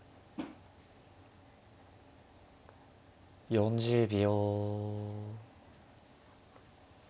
４０秒。